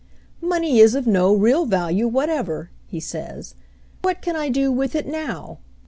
Money is of no real value whatever/' he says. What can I do with it now?